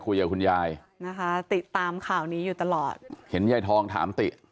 คุยกับคุณยายนะคะติดตามข่าวนี้อยู่ตลอดเห็นยายทองถามติ